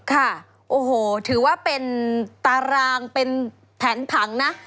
ค่ะโอ้โหถือว่าเป็นตารางเป็นแผนผังนะ